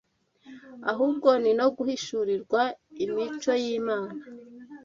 ahubwo ni no guhishurirwa imico y’Imana